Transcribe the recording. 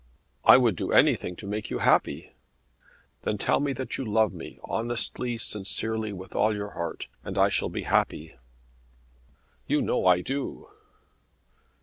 "I would do anything to make you happy." "Then tell me that you love me honestly, sincerely, with all your heart, and I shall be happy." "You know I do."